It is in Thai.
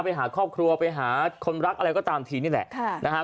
ไปหาครอบครัวไปหาคนรักอะไรก็ตามทีนี่แหละนะฮะ